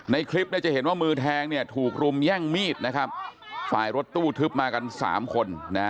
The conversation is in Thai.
ในคลิปจะเห็นว่ามือแทงถูกรุมแย่งมีดนะครับฝ่ายรถตู้ทึบมากัน๓คน